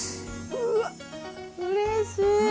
うわっうれしい。